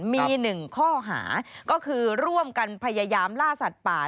มี๑ข้อหาก็คือร่วมกันพยายามล่าสัตว์ป่า